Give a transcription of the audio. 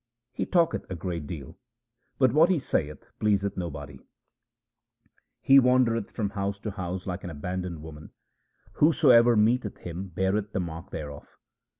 He talketh a great deal, but what he saith pleaseth no body ; He wandereth from house to house like an abandoned woman ; whosoever meeteth him beareth the mark thereof.